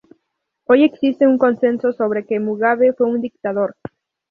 Hoy existe un consenso sobre que Mugabe fue un dictador.